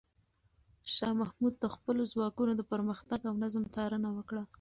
شاه محمود د خپلو ځواکونو د پرمختګ او نظم څارنه وکړه.